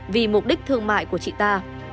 vì mục đích thương mại của chị ta